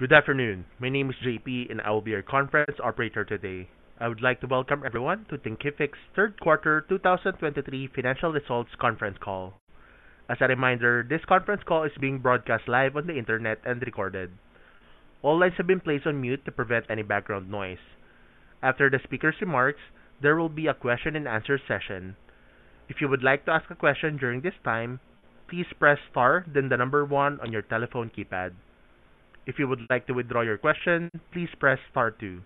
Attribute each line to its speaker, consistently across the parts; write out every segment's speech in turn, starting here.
Speaker 1: Good afternoon. My name is JP, and I will be your conference operator today. I would like to welcome everyone to Thinkific's Third Quarter 2023 Financial Results Conference Call. As a reminder, this conference call is being broadcast live on the internet and recorded. All lines have been placed on mute to prevent any background noise. After the speaker's remarks, there will be a question and answer session. If you would like to ask a question during this time, please press Star, then the number One on your telephone keypad. If you would like to withdraw your question, please press Star two.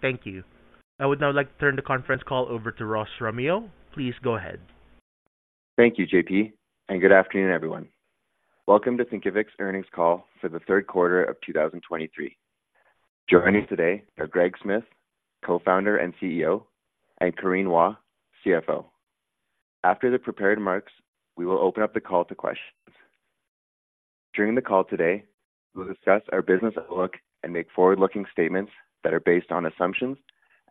Speaker 1: Thank you. I would now like to turn the conference call over to Ross Romeo. Please go ahead.
Speaker 2: Thank you, JP, and good afternoon, everyone. Welcome to Thinkific's earnings call for the third quarter of 2023. Joining me today are Greg Smith, Co-Founder and CEO, and Corinne Hua, CFO. After the prepared remarks, we will open up the call to questions. During the call today, we'll discuss our business outlook and make forward-looking statements that are based on assumptions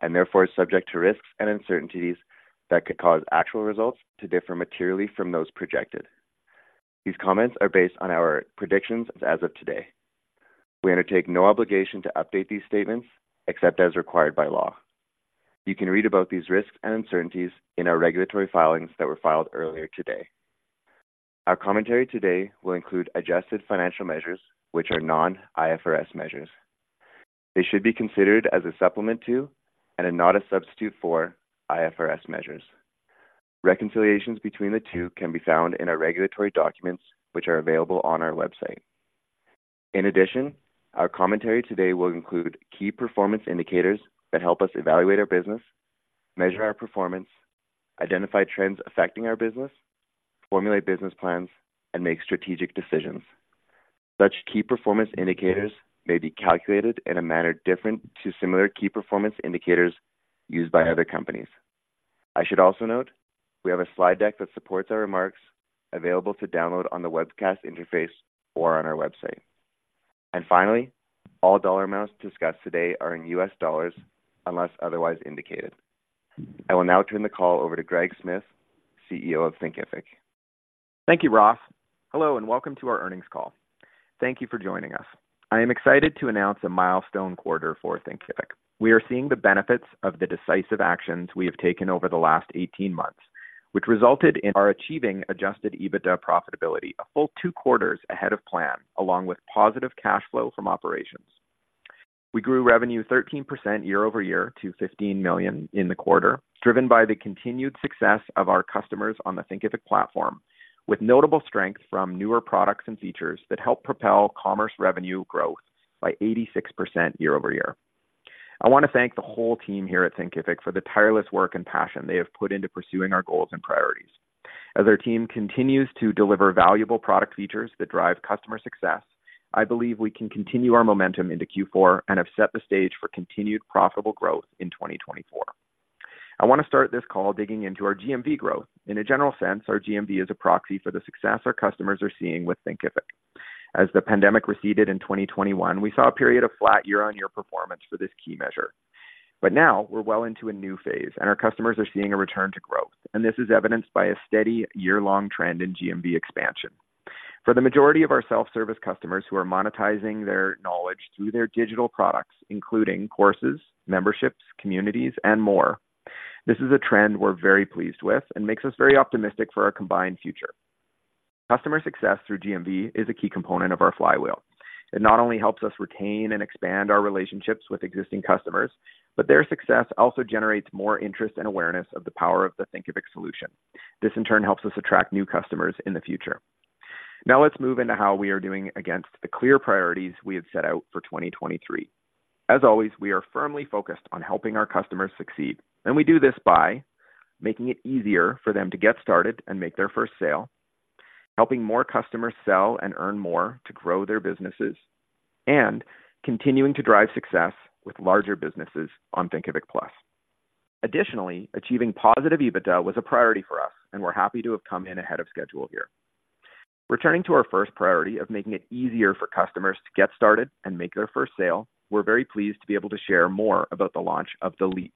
Speaker 2: and therefore subject to risks and uncertainties that could cause actual results to differ materially from those projected. These comments are based on our predictions as of today. We undertake no obligation to update these statements except as required by law. You can read about these risks and uncertainties in our regulatory filings that were filed earlier today. Our commentary today will include adjusted financial measures, which are non-IFRS measures. They should be considered as a supplement to, and not a substitute for, IFRS measures. Reconciliations between the two can be found in our regulatory documents, which are available on our website. In addition, our commentary today will include key performance indicators that help us evaluate our business, measure our performance, identify trends affecting our business, formulate business plans, and make strategic decisions. Such key performance indicators may be calculated in a manner different to similar key performance indicators used by other companies. I should also note we have a slide deck that supports our remarks available to download on the webcast interface or on our website. Finally, all dollar amounts discussed today are in U.S. dollars, unless otherwise indicated. I will now turn the call over to Greg Smith, CEO of Thinkific.
Speaker 3: Thank you, Ross. Hello, and welcome to our earnings call. Thank you for joining us. I am excited to announce a milestone quarter for Thinkific. We are seeing the benefits of the decisive actions we have taken over the last 18 months, which resulted in our achieving adjusted EBITDA profitability, a full 2 quarters ahead of plan, along with positive cash flow from operations. We grew revenue 13% year-over-year to $15 million in the quarter, driven by the continued success of our customers on the Thinkific platform, with notable strength from newer products and features that help propel commerce revenue growth by 86% year-over-year. I want to thank the whole team here at Thinkific for the tireless work and passion they have put into pursuing our goals and priorities. As our team continues to deliver valuable product features that drive customer success, I believe we can continue our momentum into Q4 and have set the stage for continued profitable growth in 2024. I want to start this call digging into our GMV growth. In a general sense, our GMV is a proxy for the success our customers are seeing with Thinkific. As the pandemic receded in 2021, we saw a period of flat year-on-year performance for this key measure. But now we're well into a new phase, and our customers are seeing a return to growth, and this is evidenced by a steady year-long trend in GMV expansion. For the majority of our self-service customers who are monetizing their knowledge through their digital products, including courses, memberships, communities, and more, this is a trend we're very pleased with and makes us very optimistic for our combined future. Customer success through GMV is a key component of our flywheel. It not only helps us retain and expand our relationships with existing customers, but their success also generates more interest and awareness of the power of the Thinkific solution. This in turn, helps us attract new customers in the future. Now, let's move into how we are doing against the clear priorities we have set out for 2023. As always, we are firmly focused on helping our customers succeed, and we do this by making it easier for them to get started and make their first sale, helping more customers sell and earn more to grow their businesses, and continuing to drive success with larger businesses on Thinkific Plus. Additionally, achieving positive EBITDA was a priority for us, and we're happy to have come in ahead of schedule here. Returning to our first priority of making it easier for customers to get started and make their first sale, we're very pleased to be able to share more about the launch of The Leap.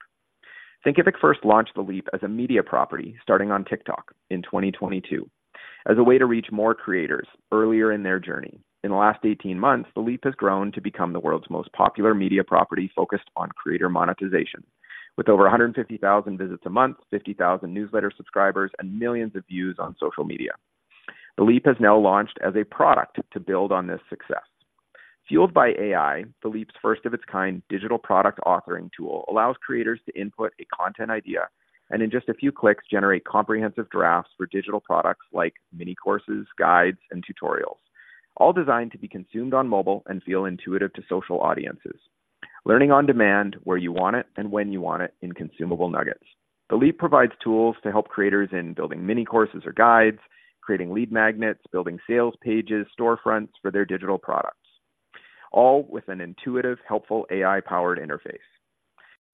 Speaker 3: Thinkific first launched The Leap as a media property starting on TikTok in 2022, as a way to reach more creators earlier in their journey. In the last 18 months, The Leap has grown to become the world's most popular media property focused on creator monetization, with over 150,000 visits a month, 50,000 newsletter subscribers, and millions of views on social media. The Leap has now launched as a product to build on this success. Fueled by AI, The Leap's first of its kind digital product authoring tool, allows creators to input a content idea, and in just a few clicks, generate comprehensive drafts for digital products like mini courses, guides, and tutorials, all designed to be consumed on mobile and feel intuitive to social audiences, learning on demand where you want it and when you want it in consumable nuggets. The Leap provides tools to help creators in building mini courses or guides, creating lead magnets, building sales pages, storefronts for their digital products, all with an intuitive, helpful, AI-powered interface.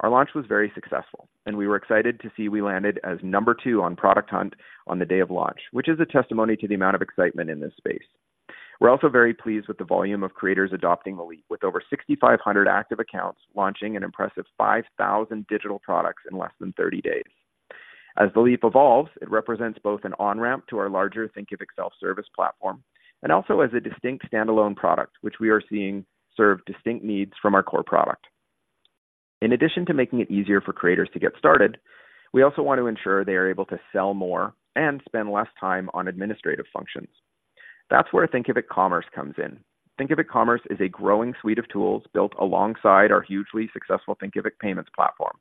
Speaker 3: Our launch was very successful, and we were excited to see we landed as number two on Product Hunt on the day of launch, which is a testimony to the amount of excitement in this space. We're also very pleased with the volume of creators adopting The Leap, with over 6,500 active accounts, launching an impressive 5,000 digital products in less than 30 days. As The Leap evolves, it represents both an on-ramp to our larger Thinkific self-service platform and also as a distinct standalone product, which we are seeing serve distinct needs from our core product. In addition to making it easier for creators to get started, we also want to ensure they are able to sell more and spend less time on administrative functions. That's where Thinkific Commerce comes in. Thinkific Commerce is a growing suite of tools built alongside our hugely successful Thinkific Payments platform.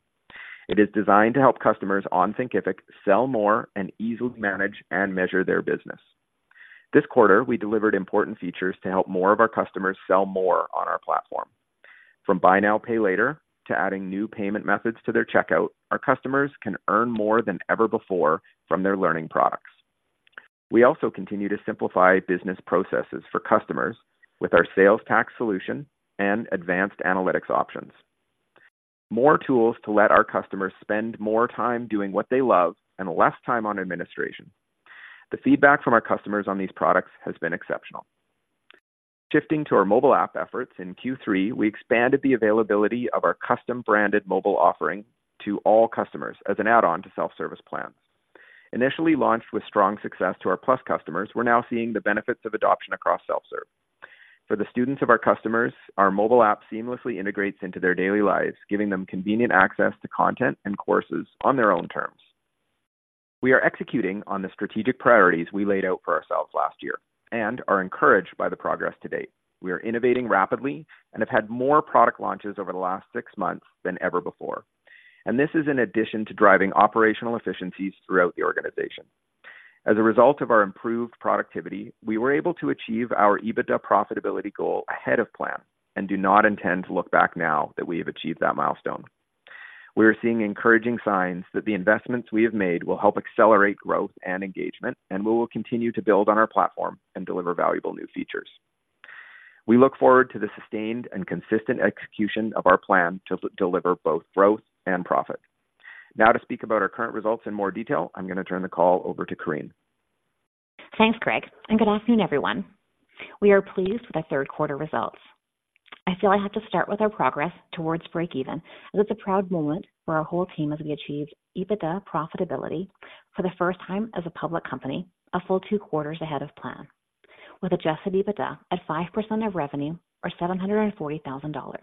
Speaker 3: It is designed to help customers on Thinkific sell more and easily manage and measure their business. This quarter, we delivered important features to help more of our customers sell more on our platform. From buy now, pay later, to adding new payment methods to their checkout, our customers can earn more than ever before from their learning products. We also continue to simplify business processes for customers with our sales tax solution and advanced analytics options. More tools to let our customers spend more time doing what they love and less time on administration. The feedback from our customers on these products has been exceptional. Shifting to our mobile app efforts, in Q3, we expanded the availability of our custom-branded mobile offering to all customers as an add-on to self-service plans. Initially launched with strong success to our Plus customers, we're now seeing the benefits of adoption across self-serve. For the students of our customers, our mobile app seamlessly integrates into their daily lives, giving them convenient access to content and courses on their own terms. We are executing on the strategic priorities we laid out for ourselves last year and are encouraged by the progress to date. We are innovating rapidly and have had more product launches over the last six months than ever before, and this is in addition to driving operational efficiencies throughout the organization. As a result of our improved productivity, we were able to achieve our EBITDA profitability goal ahead of plan and do not intend to look back now that we have achieved that milestone. We are seeing encouraging signs that the investments we have made will help accelerate growth and engagement, and we will continue to build on our platform and deliver valuable new features. We look forward to the sustained and consistent execution of our plan to deliver both growth and profit. Now to speak about our current results in more detail, I'm going to turn the call over to Corinne.
Speaker 4: Thanks, Greg, and good afternoon, everyone. We are pleased with the third quarter results. I feel I have to start with our progress towards breakeven, as it's a proud moment for our whole team as we achieved EBITDA profitability for the first time as a public company, a full two quarters ahead of plan, with adjusted EBITDA at 5% of revenue, or $740,000.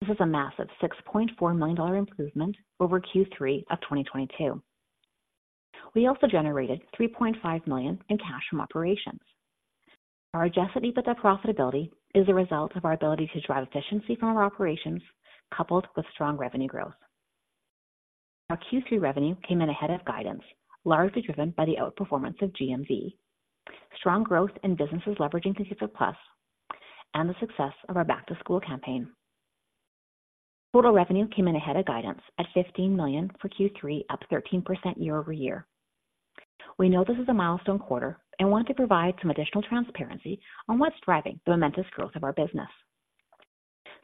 Speaker 4: This is a massive $6.4 million improvement over Q3 of 2022. We also generated $3.5 million in cash from operations. Our adjusted EBITDA profitability is a result of our ability to drive efficiency from our operations, coupled with strong revenue growth. Our Q3 revenue came in ahead of guidance, largely driven by the outperformance of GMV, strong growth in businesses leveraging Thinkific Plus, and the success of our Back to School campaign. Total revenue came in ahead of guidance at $15 million for Q3, up 13% year-over-year. We know this is a milestone quarter and want to provide some additional transparency on what's driving the momentous growth of our business.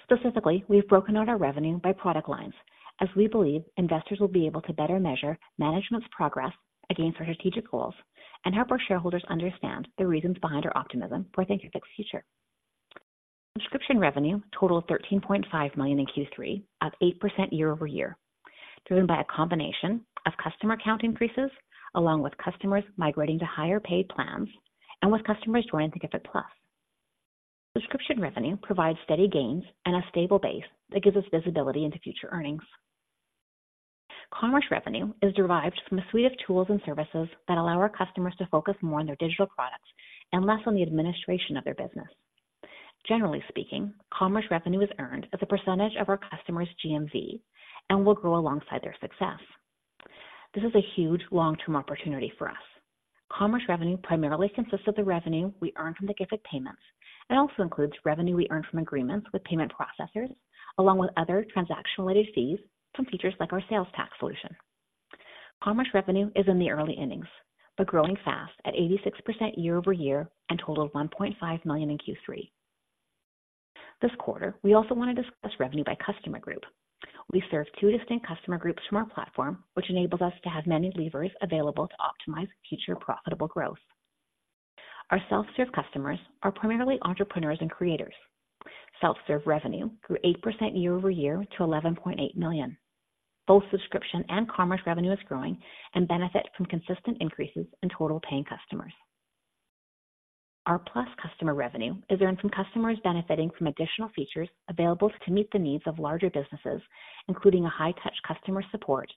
Speaker 4: Specifically, we've broken out our revenue by product lines, as we believe investors will be able to better measure management's progress against our strategic goals and help our shareholders understand the reasons behind our optimism for Thinkific's future. Subscription revenue totaled $13.5 million in Q3, up 8% year-over-year, driven by a combination of customer count increases along with customers migrating to higher paid plans and with customers joining Thinkific Plus. Subscription revenue provides steady gains and a stable base that gives us visibility into future earnings. Commerce revenue is derived from a suite of tools and services that allow our customers to focus more on their digital products and less on the administration of their business. Generally speaking, commerce revenue is earned as a percentage of our customers' GMV and will grow alongside their success. This is a huge long-term opportunity for us. Commerce revenue primarily consists of the revenue we earn from the Thinkific Payments and also includes revenue we earn from agreements with payment processors, along with other transaction-related fees from features like our sales tax solution. Commerce revenue is in the early innings, but growing fast at 86% year-over-year and totaled $1.5 million in Q3. This quarter, we also want to discuss revenue by customer group. We serve two distinct customer groups from our platform, which enables us to have many levers available to optimize future profitable growth. Our self-serve customers are primarily entrepreneurs and creators. Self-serve revenue grew 8% year-over-year to $11.8 million. Both subscription and commerce revenue is growing and benefit from consistent increases in total paying customers. Our Plus customer revenue is earned from customers benefiting from additional features available to meet the needs of larger businesses, including a high-touch customer support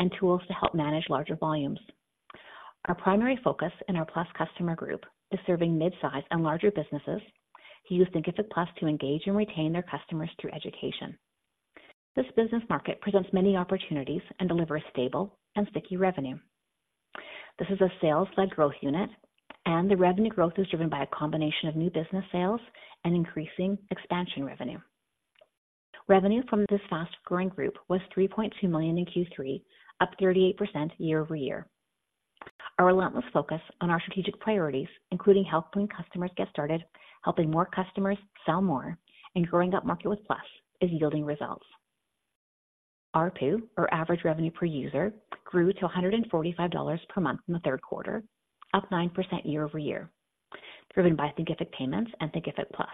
Speaker 4: and tools to help manage larger volumes. Our primary focus in our Plus customer group is serving midsize and larger businesses who use Thinkific Plus to engage and retain their customers through education. This business market presents many opportunities and delivers stable and sticky revenue. This is a sales-led growth unit, and the revenue growth is driven by a combination of new business sales and increasing expansion revenue. Revenue from this fast-growing group was $3.2 million in Q3, up 38% year-over-year. Our relentless focus on our strategic priorities, including helping customers get started, helping more customers sell more, and growing upmarket with Plus, is yielding results. ARPU, or Average Revenue Per User, grew to $145 per month in the third quarter, up 9% year-over-year, driven by Thinkific Payments and Thinkific Plus.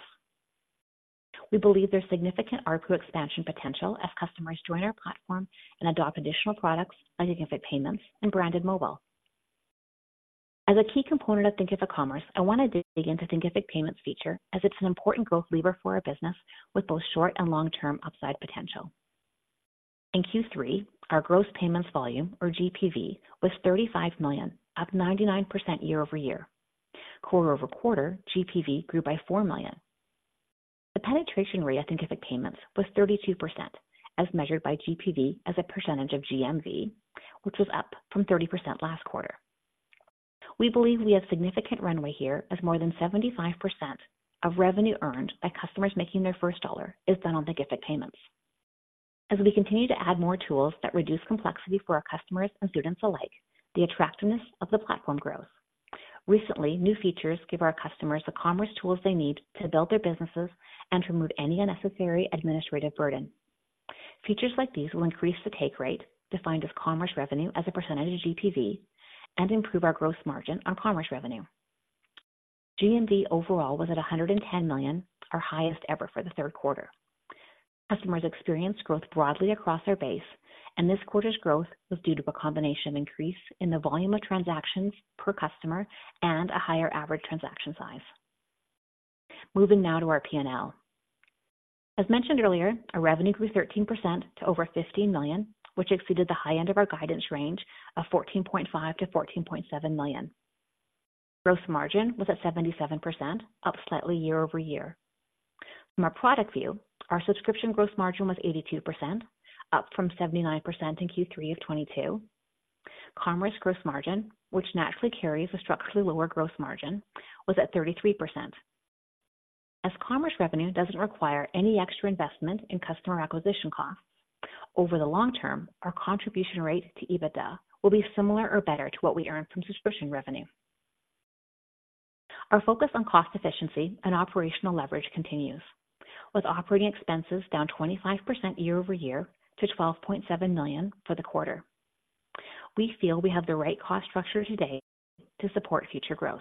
Speaker 4: We believe there's significant ARPU expansion potential as customers join our platform and adopt additional products like Thinkific Payments and Branded Mobile. As a key component of Thinkific Commerce, I wanted to dig into Thinkific Payments feature as it's an important growth lever for our business, with both short and long-term upside potential. In Q3, our gross payments volume, or GPV, was $35 million, up 99% year-over-year. Quarter-over-quarter, GPV grew by $4 million. The penetration rate of Thinkific Payments was 32%, as measured by GPV as a percentage of GMV, which was up from 30% last quarter. We believe we have significant runway here, as more than 75% of revenue earned by customers making their first dollar is done on Thinkific Payments. As we continue to add more tools that reduce complexity for our customers and students alike, the attractiveness of the platform grows. Recently, new features give our customers the commerce tools they need to build their businesses and remove any unnecessary administrative burden. Features like these will increase the take rate, defined as commerce revenue as a percentage of GPV, and improve our gross margin on commerce revenue. GMV overall was at $110 million, our highest ever for the third quarter. Customers experienced growth broadly across our base, and this quarter's growth was due to a combination increase in the volume of transactions per customer and a higher average transaction size. Moving now to our P&L. As mentioned earlier, our revenue grew 13% to over $15 million, which exceeded the high end of our guidance range of $14.5 million-$14.7 million. Gross margin was at 77%, up slightly year-over-year. From a product view, our subscription gross margin was 82%, up from 79% in Q3 of 2022. Commerce gross margin, which naturally carries a structurally lower gross margin, was at 33%. As commerce revenue doesn't require any extra investment in customer acquisition costs, over the long term, our contribution rate to EBITDA will be similar or better to what we earn from subscription revenue. Our focus on cost efficiency and operational leverage continues, with operating expenses down 25% year-over-year to $12.7 million for the quarter. We feel we have the right cost structure today to support future growth.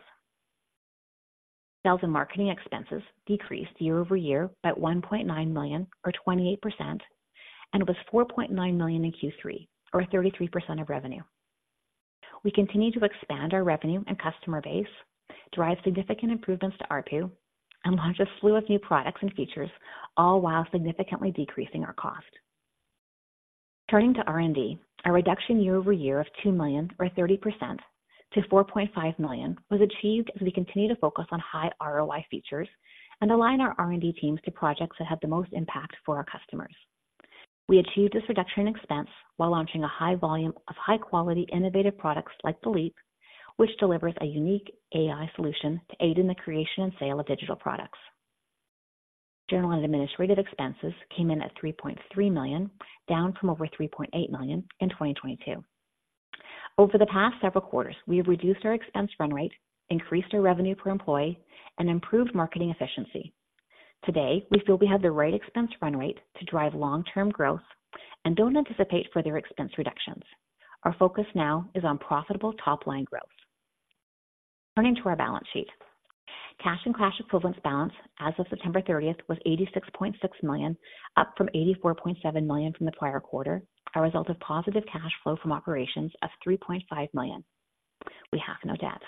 Speaker 4: Sales and marketing expenses decreased year-over-year by $1.9 million or 28%, and was $4.9 million in Q3, or 33% of revenue. We continue to expand our revenue and customer base, drive significant improvements to ARPU, and launch a slew of new products and features, all while significantly decreasing our cost. Turning to R&D, a reduction year-over-year of $2 million, or 30% to $4.5 million, was achieved as we continue to focus on high ROI features and align our R&D teams to projects that have the most impact for our customers. We achieved this reduction in expense while launching a high volume of high-quality innovative products like The Leap, which delivers a unique AI solution to aid in the creation and sale of digital products. General and administrative expenses came in at $3.3 million, down from over $3.8 million in 2022. Over the past several quarters, we have reduced our expense run rate, increased our revenue per employee, and improved marketing efficiency. Today, we feel we have the right expense run rate to drive long-term growth and don't anticipate further expense reductions. Our focus now is on profitable top-line growth. Turning to our balance sheet. Cash and cash equivalents balance as of September 30th was $86.6 million, up from $84.7 million from the prior quarter, a result of positive cash flow from operations of $3.5 million. We have no debt.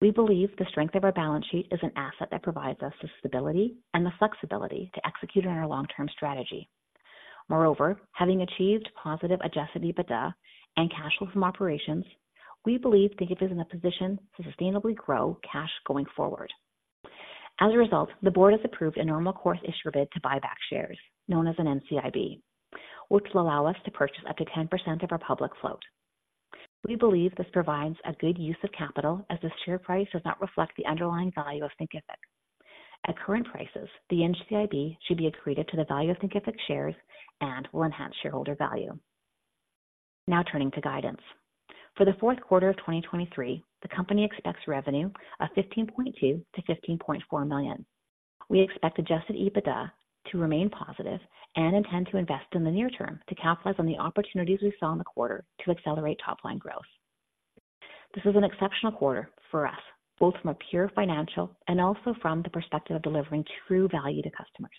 Speaker 4: We believe the strength of our balance sheet is an asset that provides us the stability and the flexibility to execute on our long-term strategy. Moreover, having achieved positive Adjusted EBITDA and cash flow from operations, we believe Thinkific is in a position to sustainably grow cash going forward. As a result, the board has approved a normal course issuer bid to buy back shares, known as an NCIB, which will allow us to purchase up to 10% of our public float. We believe this provides a good use of capital, as the share price does not reflect the underlying value of Thinkific. At current prices, the NCIB should be accretive to the value of Thinkific shares and will enhance shareholder value. Now turning to guidance. For the fourth quarter of 2023, the company expects revenue of $15.2 million-$15.4 million. We expect Adjusted EBITDA to remain positive and intend to invest in the near term to capitalize on the opportunities we saw in the quarter to accelerate top-line growth. This is an exceptional quarter for us, both from a pure financial and also from the perspective of delivering true value to customers.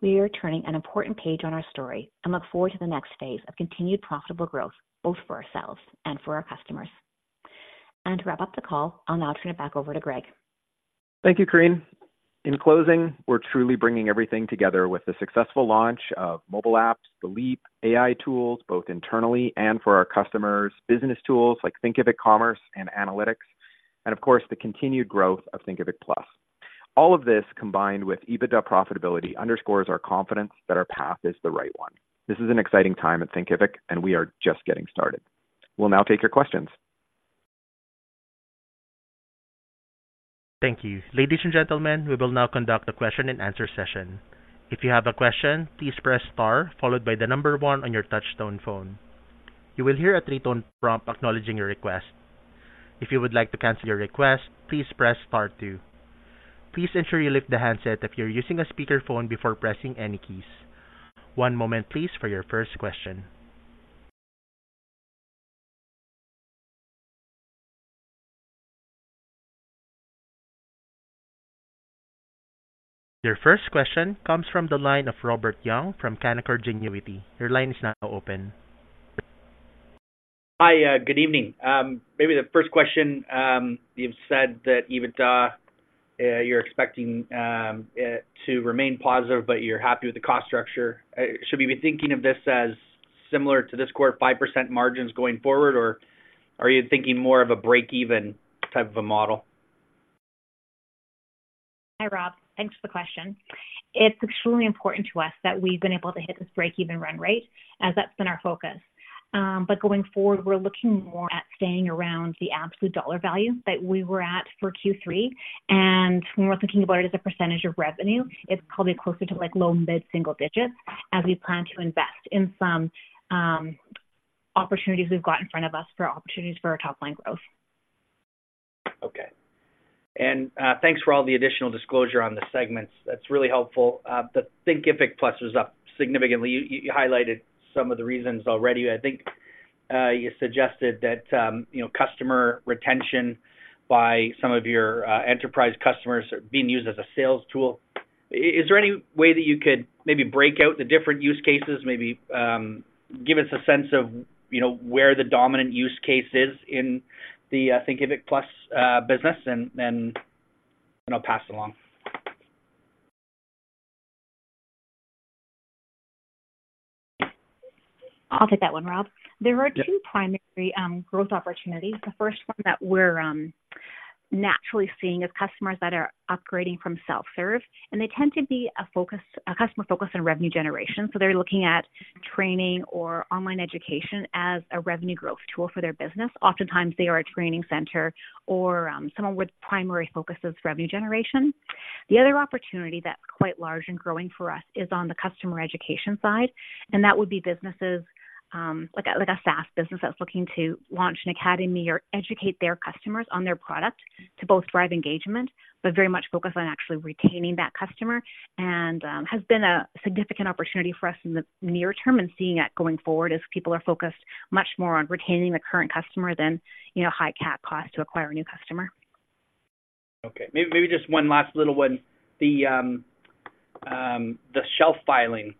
Speaker 4: We are turning an important page on our story and look forward to the next phase of continued profitable growth, both for ourselves and for our customers. To wrap up the call, I'll now turn it back over to Greg.
Speaker 3: Thank you, Corinne. In closing, we're truly bringing everything together with the successful launch of mobile apps, The Leap AI tools, both internally and for our customers, business tools like Thinkific Commerce and analytics, and of course, the continued growth of Thinkific Plus. All of this, combined with EBITDA profitability, underscores our confidence that our path is the right one. This is an exciting time at Thinkific, and we are just getting started. We'll now take your questions.
Speaker 1: Thank you. Ladies and gentlemen, we will now conduct a question-and-answer session. If you have a question, please press star followed by the number one on your touchtone phone. You will hear a three-tone prompt acknowledging your request. If you would like to cancel your request, please press star two. Please ensure you lift the handset if you're using a speakerphone before pressing any keys. One moment, please, for your first question. Your first question comes from the line of Robert Young from Canaccord Genuity. Your line is now open.
Speaker 5: Hi, good evening. Maybe the first question, you've said that EBITDA, you're expecting to remain positive, but you're happy with the cost structure. Should we be thinking of this as similar to this core 5% margins going forward, or are you thinking more of a break-even type of a model?
Speaker 4: Hi, Rob. Thanks for the question. It's extremely important to us that we've been able to hit this break-even run rate, as that's been our focus. But going forward, we're looking more at staying around the absolute dollar value that we were at for Q3. And when we're thinking about it as a percentage of revenue, it's probably closer to, like, low mid-single digits as we plan to invest in some opportunities we've got in front of us for opportunities for our top line growth.
Speaker 5: Okay. And, thanks for all the additional disclosure on the segments. That's really helpful. The Thinkific Plus was up significantly. You, you highlighted some of the reasons already. I think, you suggested that, you know, customer retention by some of your, enterprise customers are being used as a sales tool. Is there any way that you could maybe break out the different use cases, maybe, give us a sense of, you know, where the dominant use case is in the, Thinkific Plus, business? And, then I'll pass it along.
Speaker 4: I'll take that one, Rob.
Speaker 5: Yeah.
Speaker 4: There are two primary, growth opportunities. The first one that we're naturally seeing is customers that are upgrading from self-serve, and they tend to be a focus, a customer focused on revenue generation. So they're looking at training or online education as a revenue growth tool for their business. Oftentimes, they are a training center or, someone with primary focus is revenue generation. The other opportunity that's quite large and growing for us is on the customer education side, and that would be businesses, like a, like a SaaS business that's looking to launch an academy or educate their customers on their product to both drive engagement, but very much focused on actually retaining that customer. has been a significant opportunity for us in the near term and seeing that going forward as people are focused much more on retaining the current customer than, you know, high CAC cost to acquire a new customer.
Speaker 5: Okay. Maybe, maybe just one last little one. The shelf filing,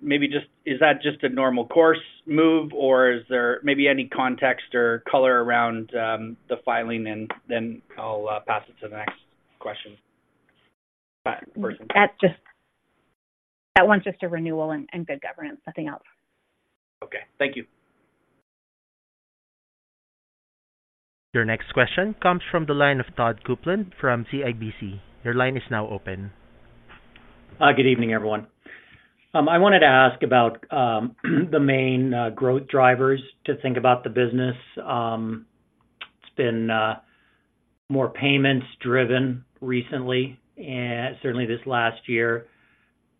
Speaker 5: maybe just... Is that just a normal course move, or is there maybe any context or color around the filing? And then I'll pass it to the next question person.
Speaker 4: That's just that one's just a renewal and good governance, nothing else.
Speaker 5: Okay. Thank you.
Speaker 1: Your next question comes from the line of Todd Coupland from CIBC. Your line is now open.
Speaker 6: Good evening, everyone. I wanted to ask about the main growth drivers to think about the business. It's been more payments-driven recently, certainly this last year,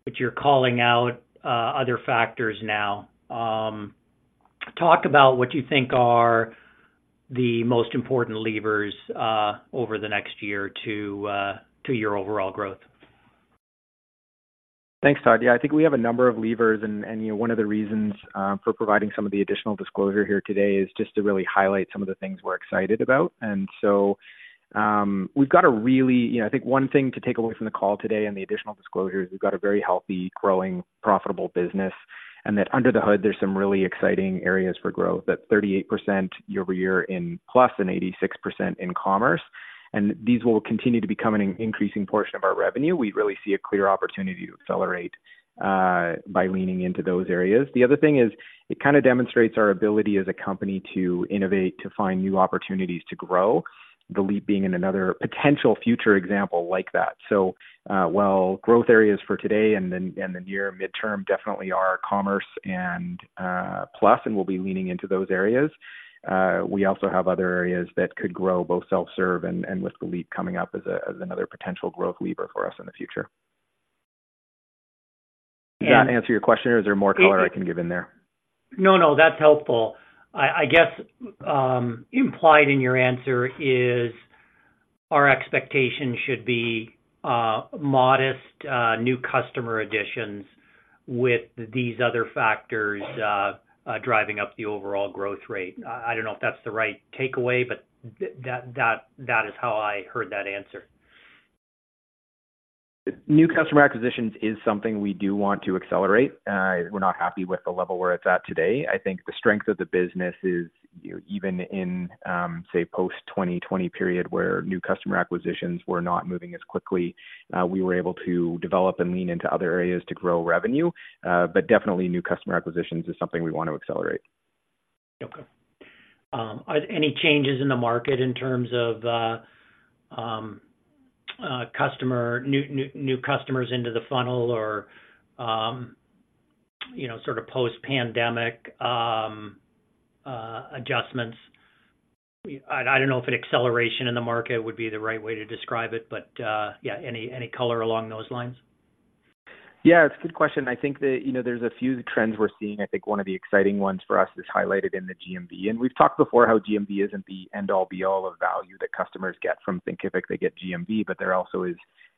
Speaker 6: but you're calling out other factors now. Talk about what you think are the most important levers over the next year to your overall growth.
Speaker 3: Thanks, Todd. Yeah, I think we have a number of levers, and you know, one of the reasons for providing some of the additional disclosure here today is just to really highlight some of the things we're excited about. And so, we've got a really. You know, I think one thing to take away from the call today and the additional disclosure is we've got a very healthy, growing, profitable business, and that under the hood, there's some really exciting areas for growth. That 38% year-over-year in Plus and 86% in commerce, and these will continue to become an increasing portion of our revenue. We really see a clear opportunity to accelerate by leaning into those areas. The other thing is it kind of demonstrates our ability as a company to innovate, to find new opportunities to grow, The Leap being in another potential future example like that. So, while growth areas for today and then the near midterm definitely are Commerce and Plus, and we'll be leaning into those areas, we also have other areas that could grow, both self-serve and with The Leap coming up as another potential growth lever for us in the future.
Speaker 6: And-
Speaker 3: Does that answer your question, or is there more color I can give in there?
Speaker 6: No, no, that's helpful. I guess implied in your answer is our expectation should be modest new customer additions with these other factors driving up the overall growth rate. I don't know if that's the right takeaway, but that is how I heard that answer.
Speaker 3: New customer acquisitions is something we do want to accelerate. We're not happy with the level where it's at today. I think the strength of the business is, you know, even in, say, post-2020 period, where new customer acquisitions were not moving as quickly, we were able to develop and lean into other areas to grow revenue. But definitely new customer acquisitions is something we want to accelerate.
Speaker 6: Okay. Are any changes in the market in terms of new customers into the funnel or, you know, sort of post-pandemic adjustments? I don't know if an acceleration in the market would be the right way to describe it, but yeah, any color along those lines?
Speaker 3: Yeah, it's a good question. I think that, you know, there's a few trends we're seeing. I think one of the exciting ones for us is highlighted in the GMV, and we've talked before how GMV isn't the end all be all of value that customers get from Thinkific. They get GMV, but there also is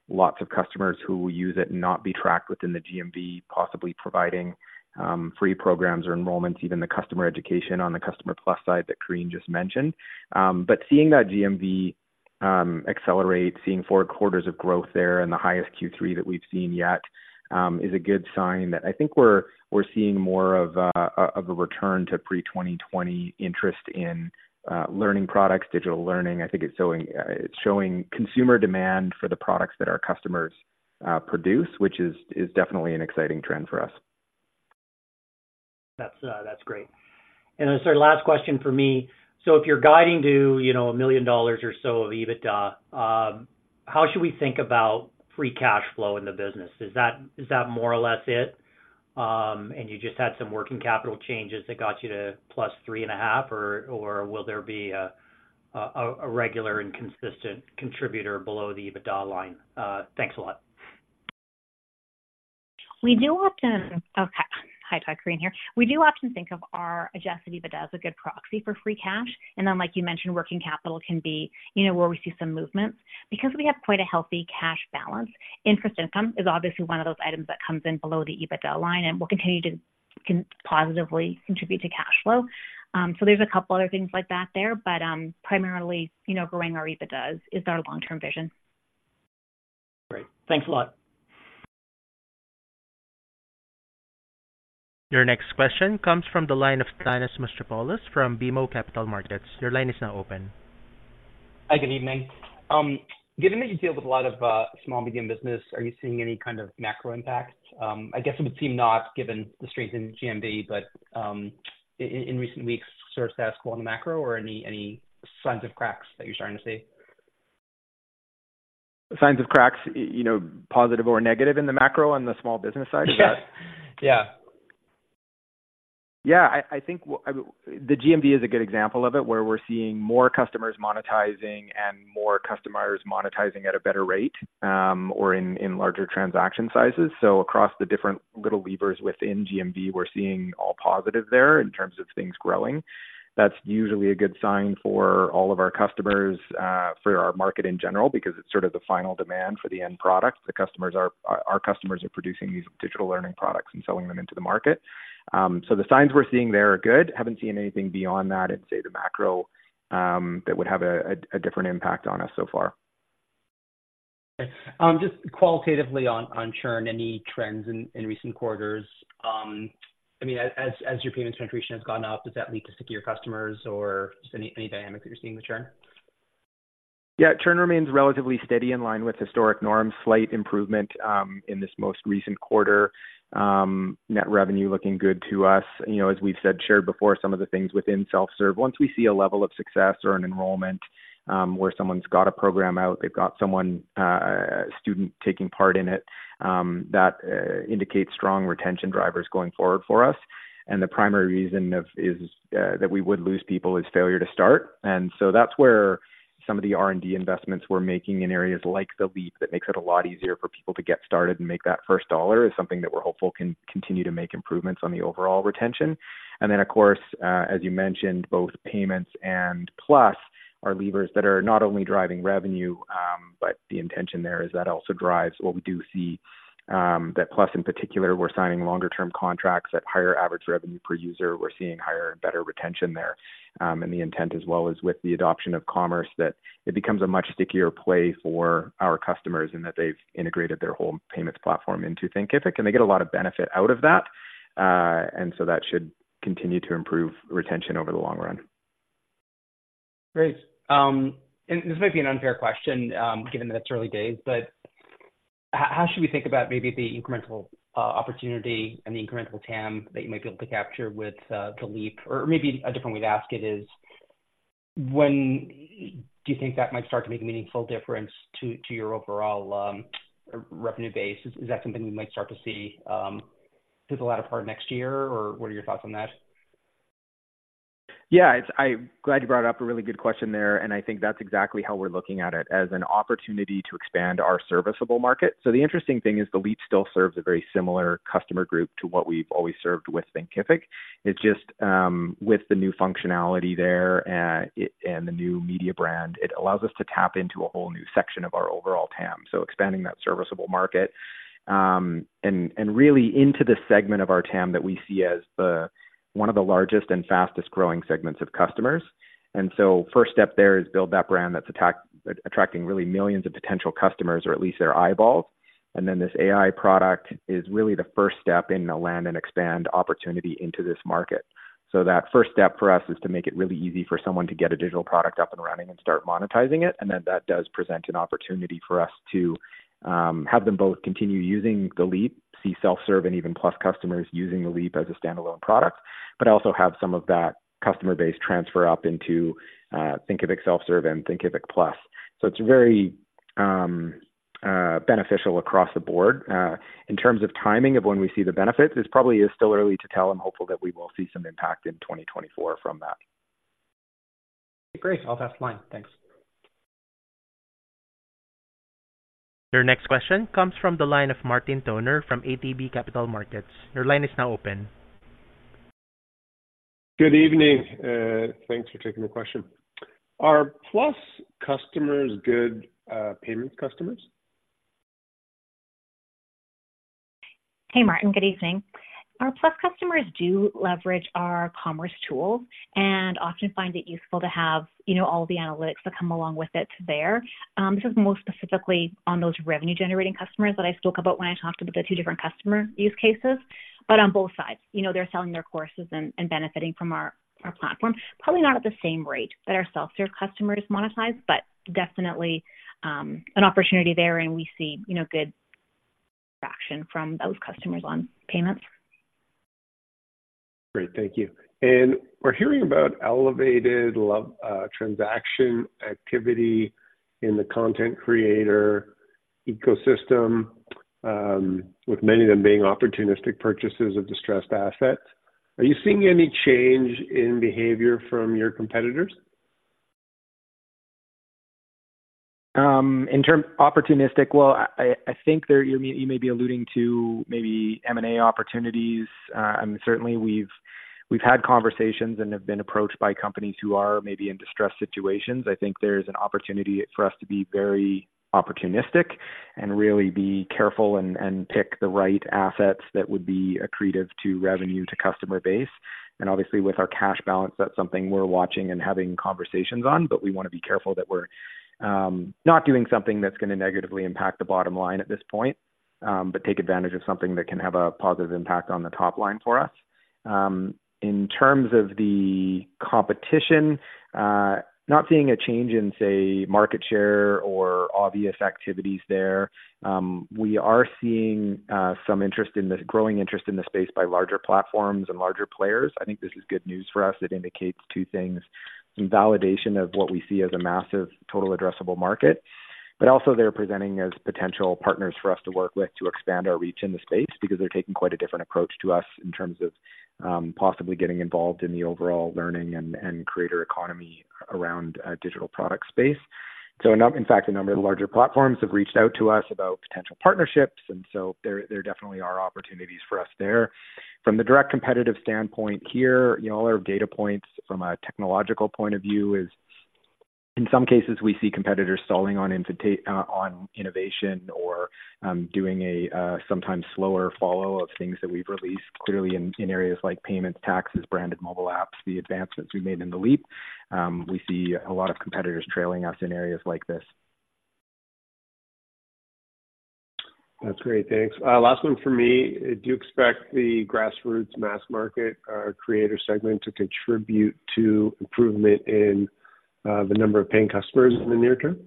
Speaker 3: lots of customers who will use it and not be tracked within the GMV, possibly providing free programs or enrollments, even the customer education on the Thinkific Plus side that Corinne just mentioned. But seeing that GMV accelerate, seeing 4 quarters of growth there and the highest Q3 that we've seen yet, is a good sign that I think we're seeing more of a return to pre-2020 interest in learning products, digital learning. I think it's showing consumer demand for the products that our customers produce, which is definitely an exciting trend for us.
Speaker 6: That's, that's great. And then sort of last question for me. So if you're guiding to, you know, $1 million or so of EBITDA, how should we think about free cash flow in the business? Is that, is that more or less it, and you just had some working capital changes that got you to +$3.5 million, or will there be a regular and consistent contributor below the EBITDA line? Thanks a lot.
Speaker 4: Hi, Todd, Corinne here. We do often think of our Adjusted EBITDA as a good proxy for free cash. And then, like you mentioned, working capital can be, you know, where we see some movements. Because we have quite a healthy cash balance, interest income is obviously one of those items that comes in below the EBITDA line and will continue to positively contribute to cash flow. So there's a couple other things like that there, but, primarily, you know, growing our EBITDA is our long-term vision.
Speaker 6: Great. Thanks a lot.
Speaker 1: Your next question comes from the line of Thanos Moschopoulos from BMO Capital Markets. Your line is now open.
Speaker 7: Hi, good evening. Given that you deal with a lot of small, medium business, are you seeing any kind of macro impact? I guess it would seem not, given the strength in GMV, but in recent weeks, sort of status quo on the macro or any signs of cracks that you're starting to see?
Speaker 3: Signs of cracks, you know, positive or negative in the macro on the small business side?
Speaker 7: Yeah. Yeah.
Speaker 3: Yeah, I think, well, the GMV is a good example of it, where we're seeing more customers monetizing and more customers monetizing at a better rate, or in larger transaction sizes. So across the different little levers within GMV, we're seeing all positive there in terms of things growing. That's usually a good sign for all of our customers, for our market in general, because it's sort of the final demand for the end product. Our customers are producing these digital learning products and selling them into the market. So the signs we're seeing there are good. Haven't seen anything beyond that in, say, the macro, that would have a different impact on us so far.
Speaker 7: Just qualitatively on churn, any trends in recent quarters? I mean, as your payments penetration has gone up, does that lead to stickier customers or just any dynamics that you're seeing with churn?
Speaker 3: Yeah, churn remains relatively steady in line with historic norms. Slight improvement in this most recent quarter. Net revenue looking good to us. You know, as we've said, shared before, some of the things within self-serve. Once we see a level of success or an enrollment, where someone's got a program out, they've got someone, a student taking part in it, that indicates strong retention drivers going forward for us. And the primary reason that we would lose people is failure to start. And so that's where some of the R&D investments we're making in areas like The Leap, that makes it a lot easier for people to get started and make that first dollar, is something that we're hopeful can continue to make improvements on the overall retention. And then, of course, as you mentioned, both payments and Plus are levers that are not only driving revenue, but the intention there is that it also drives what we do see, that Plus, in particular, we're signing longer term contracts at higher average revenue per user. We're seeing higher and better retention there. And the intent as well is with the adoption of commerce, that it becomes a much stickier play for our customers, and that they've integrated their whole payments platform into Thinkific, and they get a lot of benefit out of that. And so that should continue to improve retention over the long run.
Speaker 7: Great. And this might be an unfair question, given that it's early days, but how should we think about maybe the incremental opportunity and the incremental TAM that you might be able to capture with the Leap? Or maybe a different way to ask it is, when do you think that might start to make a meaningful difference to your overall revenue base? Is that something we might start to see towards the latter part of next year, or what are your thoughts on that?
Speaker 3: Yeah, it's—I'm glad you brought it up. A really good question there, and I think that's exactly how we're looking at it, as an opportunity to expand our serviceable market. So the interesting thing is The Leap still serves a very similar customer group to what we've always served with Thinkific. It's just, with the new functionality there, it, and the new media brand, it allows us to tap into a whole new section of our overall TAM, so expanding that serviceable market. And really into the segment of our TAM that we see as the, one of the largest and fastest growing segments of customers. And so first step there is build that brand that's attracting really millions of potential customers, or at least their eyeballs. And then this AI product is really the first step in the land and expand opportunity into this market. So that first step for us is to make it really easy for someone to get a digital product up and running and start monetizing it. And then that does present an opportunity for us to have them both continue using The Leap, see self-serve, and even Plus customers using The Leap as a standalone product, but also have some of that customer base transfer up into Thinkific self-serve and Thinkific Plus. So it's very beneficial across the board. In terms of timing of when we see the benefits, this probably is still early to tell. I'm hopeful that we will see some impact in 2024 from that.
Speaker 7: Great. I'll pass the line. Thanks.
Speaker 1: Your next question comes from the line of Martin Toner from ATB Capital Markets. Your line is now open.
Speaker 8: Good evening, thanks for taking the question. Are Plus customers good, Payments customers?
Speaker 4: Hey, Martin, good evening. Our Plus customers do leverage our commerce tool and often find it useful to have, you know, all the analytics that come along with it there. This is more specifically on those revenue-generating customers that I spoke about when I talked about the two different customer use cases. But on both sides, you know, they're selling their courses and, and benefiting from our, our platform. Probably not at the same rate that our self-serve customers monetize, but definitely, an opportunity there, and we see, you know, good traction from those customers on payments.
Speaker 8: Great. Thank you. And we're hearing about elevated level transaction activity in the content creator ecosystem, with many of them being opportunistic purchases of distressed assets. Are you seeing any change in behavior from your competitors?
Speaker 3: Opportunistic? Well, I think you may be alluding to maybe M&A opportunities. I mean, certainly we've had conversations and have been approached by companies who are maybe in distressed situations. I think there's an opportunity for us to be very opportunistic and really be careful and pick the right assets that would be accretive to revenue, to customer base. And obviously, with our cash balance, that's something we're watching and having conversations on, but we want to be careful that we're not doing something that's going to negatively impact the bottom line at this point, but take advantage of something that can have a positive impact on the top line for us. In terms of the competition, not seeing a change in, say, market share or obvious activities there. We are seeing some interest in the growing interest in the space by larger platforms and larger players. I think this is good news for us. It indicates two things: validation of what we see as a massive, total addressable market, but also they're presenting as potential partners for us to work with to expand our reach in the space because they're taking quite a different approach to us in terms of possibly getting involved in the overall learning and creator economy around digital product space. So in fact, a number of the larger platforms have reached out to us about potential partnerships, and so there definitely are opportunities for us there. From the direct competitive standpoint here, you know, all our data points from a technological point of view is, in some cases, we see competitors stalling on innovation or, doing a, sometimes slower follow of things that we've released, clearly in, in areas like payments, taxes, branded mobile apps, the advancements we made in the Leap. We see a lot of competitors trailing us in areas like this.
Speaker 8: That's great. Thanks. Last one for me. Do you expect the grassroots mass market creator segment to contribute to improvement in the number of paying customers in the near term?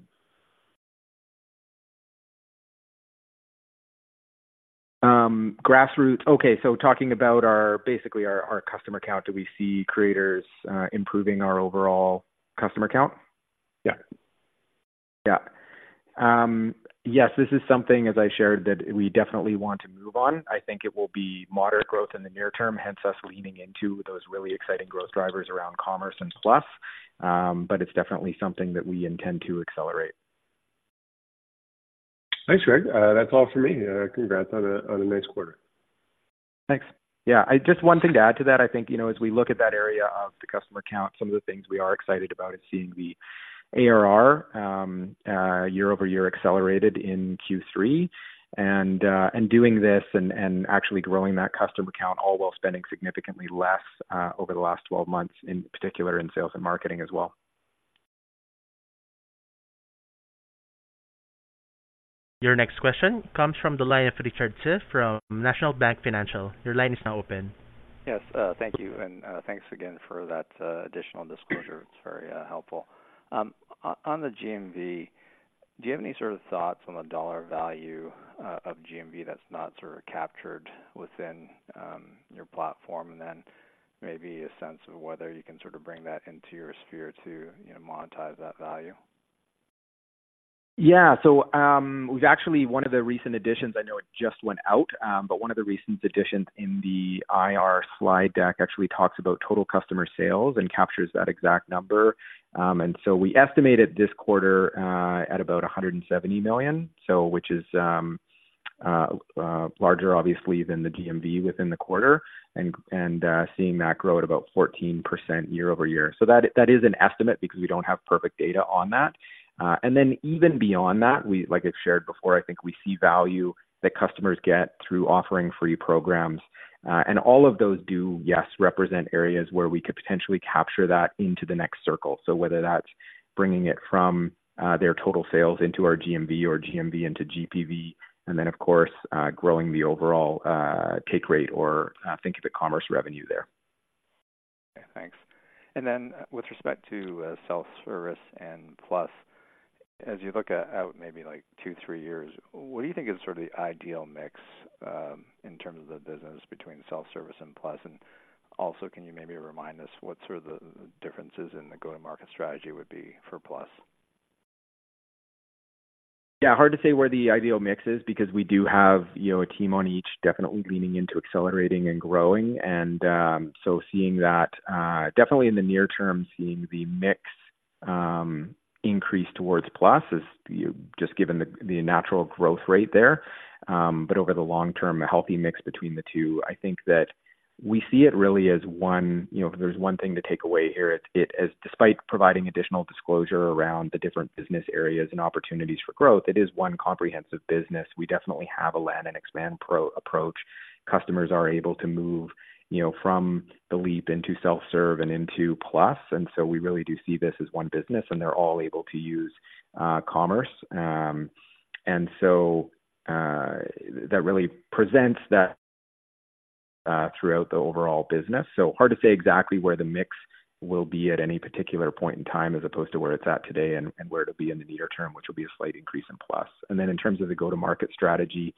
Speaker 3: Grassroots. Okay, so talking about our, basically our, our customer count. Do we see creators, improving our overall customer count?
Speaker 8: Yeah.
Speaker 3: Yeah. Yes, this is something, as I shared, that we definitely want to move on. I think it will be moderate growth in the near term, hence us leaning into those really exciting growth drivers around commerce and Plus. But it's definitely something that we intend to accelerate.
Speaker 8: Thanks, Greg. That's all for me. Congrats on a nice quarter.
Speaker 3: Thanks. Yeah, just one thing to add to that. I think, you know, as we look at that area of the customer count, some of the things we are excited about is seeing the ARR year-over-year accelerated in Q3. And doing this and actually growing that customer count, all while spending significantly less over the last 12 months, in particular in sales and marketing as well.
Speaker 1: Your next question comes from the line of Richard Tse from National Bank Financial. Your line is now open.
Speaker 9: Yes, thank you. And, thanks again for that additional disclosure. It's very helpful. On the GMV, do you have any sort of thoughts on the dollar value of GMV that's not sort of captured within your platform? And then maybe a sense of whether you can sort of bring that into your sphere to, you know, monetize that value.
Speaker 3: Yeah. So, we've actually one of the recent additions, I know it just went out, but one of the recent additions in the IR slide deck actually talks about total customer sales and captures that exact number. And so we estimated this quarter at about $170 million. Which is larger obviously than the GMV within the quarter, and seeing that grow at about 14% year-over-year. That is an estimate because we don't have perfect data on that. And then even beyond that, we, like I've shared before, I think we see value that customers get through offering free programs. And all of those do, yes, represent areas where we could potentially capture that into the next circle. So whether that's bringing it from their total sales into our GMV or GMV into GPV, and then, of course, growing the overall take rate or Thinkific Commerce revenue there.
Speaker 9: Okay, thanks. And then with respect to self-service and Plus, as you look at out maybe like two to three years, what do you think is sort of the ideal mix in terms of the business between self-service and Plus? And also, can you maybe remind us what sort of the differences in the go-to-market strategy would be for Plus?
Speaker 3: Yeah, hard to say where the ideal mix is because we do have, you know, a team on each definitely leaning into accelerating and growing. And, so seeing that, definitely in the near term, seeing the mix increase towards Plus is just given the, the natural growth rate there. But over the long term, a healthy mix between the two. I think that we see it really as one, you know, if there's one thing to take away here, it, it is despite providing additional disclosure around the different business areas and opportunities for growth, it is one comprehensive business. We definitely have a land and expand approach. Customers are able to move, you know, from The Leap into Self-Serve and into Plus. And so we really do see this as one business, and they're all able to use, commerce. And so, that really presents that throughout the overall business. So hard to say exactly where the mix will be at any particular point in time, as opposed to where it's at today and where it'll be in the near term, which will be a slight increase in Plus. And then in terms of the go-to-market strategy,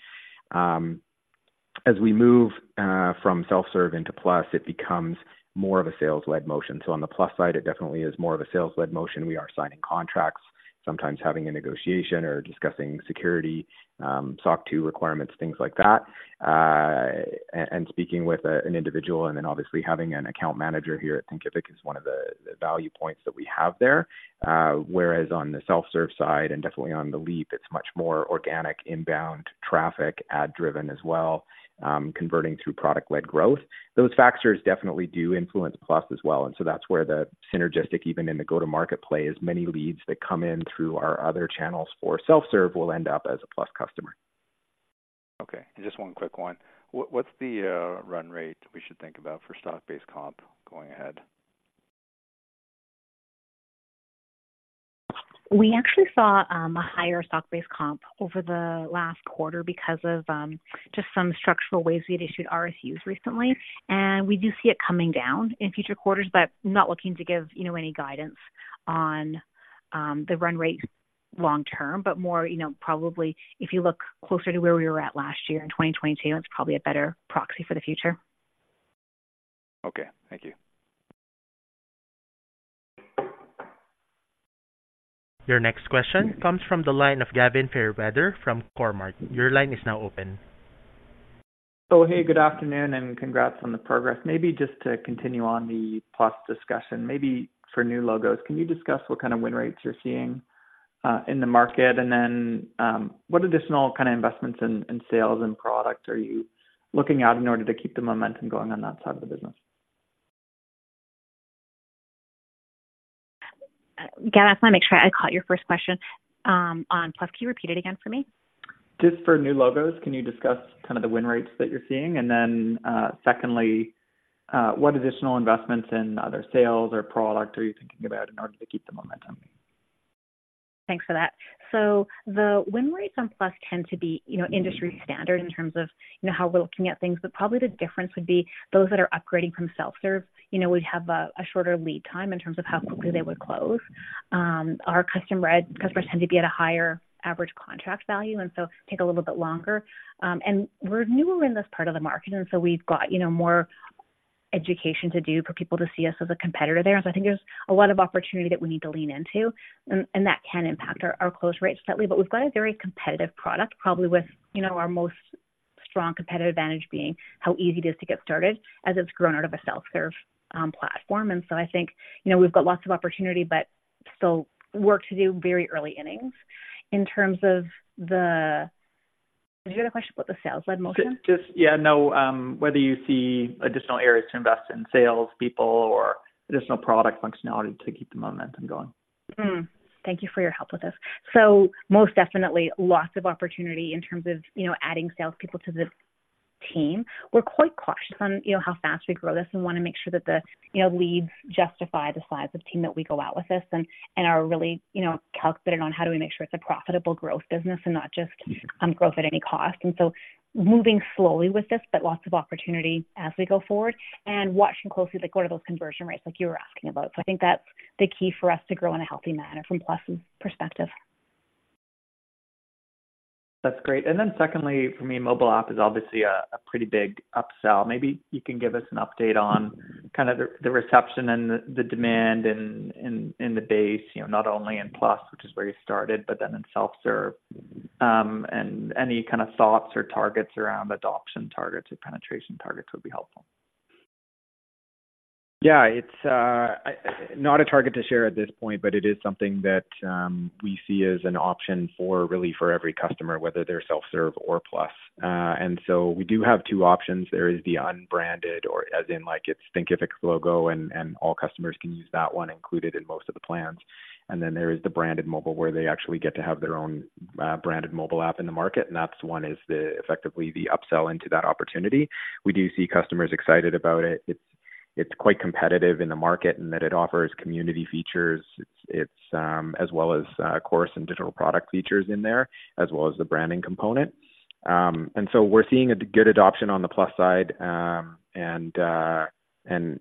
Speaker 3: as we move from Self-Serve into Plus, it becomes more of a sales-led motion. So on the Plus side, it definitely is more of a sales-led motion. We are signing contracts, sometimes having a negotiation or discussing security, SOC 2 requirements, things like that, and speaking with an individual, and then obviously having an account manager here at Thinkific is one of the value points that we have there. Whereas on the Self-Serve side, and definitely on the Leap, it's much more organic, inbound traffic, ad-driven as well, converting through product-led growth. Those factors definitely do influence Plus as well, and so that's where the synergistic, even in the go-to-market, play, is many leads that come in through our other channels for Self-Serve will end up as a Plus customer.
Speaker 9: Okay, and just one quick one. What's the run rate we should think about for stock-based comp going ahead?
Speaker 4: We actually saw a higher stock-based comp over the last quarter because of just some structural ways we had issued RSUs recently, and we do see it coming down in future quarters, but not looking to give, you know, any guidance on the run rate long term, but more, you know, probably if you look closer to where we were at last year in 2022, that's probably a better proxy for the future.
Speaker 9: Okay. Thank you.
Speaker 1: Your next question comes from the line of Gavin Fairweather from Cormark. Your line is now open.
Speaker 10: Hey, good afternoon, and congrats on the progress. Maybe just to continue on the Plus discussion, maybe for new logos, can you discuss what kind of win rates you're seeing in the market? Then, what additional kind of investments in sales and products are you looking at in order to keep the momentum going on that side of the business?
Speaker 4: Gavin, I just want to make sure I caught your first question on Plus. Can you repeat it again for me?
Speaker 10: Just for new logos, can you discuss kind of the win rates that you're seeing? And then, secondly, what additional investments in other sales or product are you thinking about in order to keep the momentum?
Speaker 4: Thanks for that. So the win rates on Plus tend to be, you know, industry standard in terms of, you know, how we're looking at things. But probably the difference would be those that are upgrading from Self-Serve, you know, we'd have a shorter lead time in terms of how quickly they would close. Our Customer Ed customers tend to be at a higher average contract value and so take a little bit longer. And we're newer in this part of the market, and so we've got, you know, more education to do for people to see us as a competitor there. So I think there's a lot of opportunity that we need to lean into, and that can impact our close rates slightly. But we've got a very competitive product, probably with, you know, our most strong competitive advantage being how easy it is to get started as it's grown out of a self-serve platform. And so I think, you know, we've got lots of opportunity, but still work to do, very early innings. In terms of the... Did you have a question about the sales-led motion?
Speaker 10: Just, yeah, no, whether you see additional areas to invest in sales, people, or additional product functionality to keep the momentum going?
Speaker 4: Hmm. Thank you for your help with this. So most definitely lots of opportunity in terms of, you know, adding salespeople to the team. We're quite cautious on, you know, how fast we grow this and want to make sure that the, you know, leads justify the size of team that we go out with this and, and are really, you know, calculated on how do we make sure it's a profitable growth business and not just, growth at any cost. And so moving slowly with this, but lots of opportunity as we go forward and watching closely, like, what are those conversion rates like you were asking about. So I think that's the key for us to grow in a healthy manner from Plus's perspective.
Speaker 10: That's great. And then secondly, for me, mobile app is obviously a pretty big upsell. Maybe you can give us an update on kind of the reception and the demand in the base, you know, not only in Plus, which is where you started, but then in Self-Serve. And any kind of thoughts or targets around adoption targets or penetration targets would be helpful.
Speaker 3: Yeah, it's not a target to share at this point, but it is something that we see as an option for really for every customer, whether they're Self-Serve or Plus. And so we do have two options. There is the unbranded or as in, like, it's Thinkific's logo, and all customers can use that one included in most of the plans. And then there is the Branded Mobile, where they actually get to have their own branded mobile app in the market, and that's one is effectively the upsell into that opportunity. We do see customers excited about it. It's quite competitive in the market and that it offers community features. It's as well as course and digital product features in there, as well as the branding component. And so we're seeing a good adoption on the Plus side, and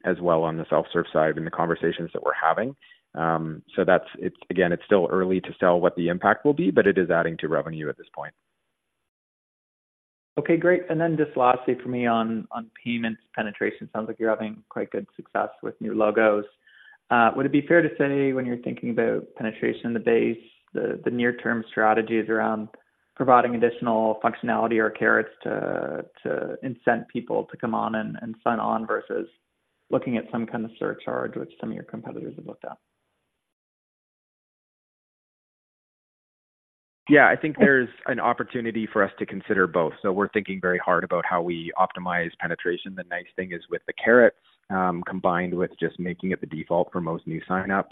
Speaker 3: as well on the Self-Serve side in the conversations that we're having. So that's. It's again, it's still early to tell what the impact will be, but it is adding to revenue at this point.
Speaker 10: Okay, great. And then just lastly for me on payments penetration. Sounds like you're having quite good success with new logos. Would it be fair to say when you're thinking about penetration in the base, the near-term strategies around providing additional functionality or carrots to incent people to come on and sign on, versus looking at some kind of surcharge, which some of your competitors have looked at?
Speaker 3: Yeah, I think there's an opportunity for us to consider both. So we're thinking very hard about how we optimize penetration. The nice thing is, with the carrots, combined with just making it the default for most new signups,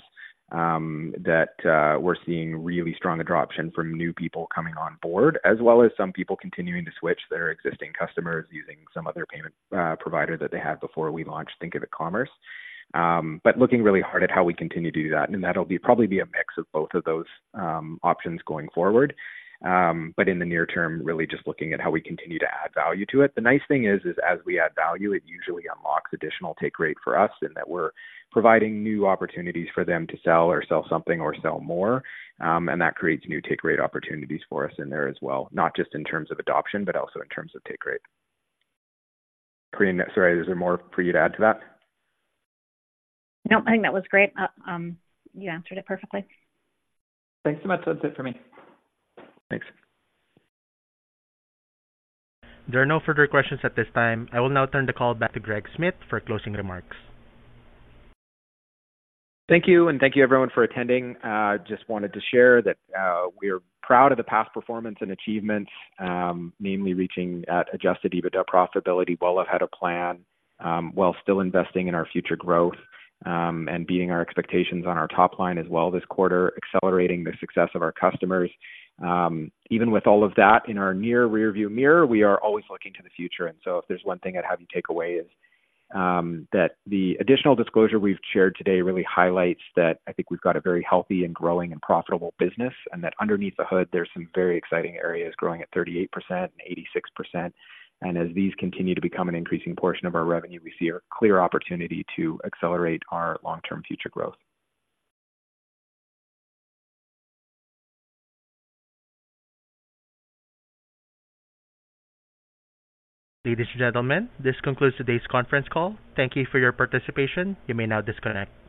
Speaker 3: that we're seeing really strong adoption from new people coming on board, as well as some people continuing to switch their existing customers using some other payment provider that they had before we launched Thinkific Commerce. But looking really hard at how we continue to do that, and that'll probably be a mix of both of those options going forward. But in the near term, really just looking at how we continue to add value to it. The nice thing is, as we add value, it usually unlocks additional take rate for us and that we're providing new opportunities for them to sell or sell something or sell more, and that creates new take rate opportunities for us in there as well, not just in terms of adoption, but also in terms of take rate. Sorry, is there more for you to add to that?
Speaker 4: No, I think that was great. You answered it perfectly.
Speaker 10: Thanks so much. That's it for me.
Speaker 3: Thanks.
Speaker 1: There are no further questions at this time. I will now turn the call back to Greg Smith for closing remarks.
Speaker 3: Thank you, and thank you, everyone, for attending. Just wanted to share that we are proud of the past performance and achievements, namely reaching at Adjusted EBITDA profitability well ahead of plan, while still investing in our future growth, and beating our expectations on our top line as well this quarter, accelerating the success of our customers. Even with all of that in our near rearview mirror, we are always looking to the future. And so if there's one thing I'd have you take away is that the additional disclosure we've shared today really highlights that I think we've got a very healthy and growing and profitable business, and that underneath the hood, there's some very exciting areas growing at 38% and 86%. As these continue to become an increasing portion of our revenue, we see a clear opportunity to accelerate our long-term future growth.
Speaker 1: Ladies and gentlemen, this concludes today's conference call. Thank you for your participation. You may now disconnect.